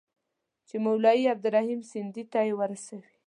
چي مولوي عبدالرحیم سندي ته یې ورسوي.